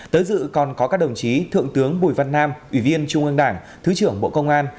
tới dự còn có các đồng chí thượng tướng bùi văn nam ủy viên trung ương đảng thứ trưởng bộ công an